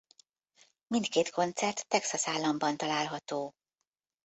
Mindkét koncert Texas államban található.